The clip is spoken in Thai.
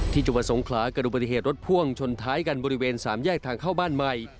จังหวัดสงขลาเกิดอุบัติเหตุรถพ่วงชนท้ายกันบริเวณสามแยกทางเข้าบ้านใหม่